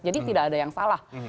jadi tidak ada yang salah